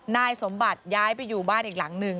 นายสมบัติย้ายไปอยู่บ้านอีกหลังหนึ่ง